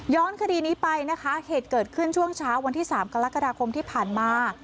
คดีนี้ไปนะคะเหตุเกิดขึ้นช่วงเช้าวันที่๓กรกฎาคมที่ผ่านมา